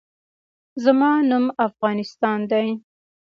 زما نوم افغانستان دی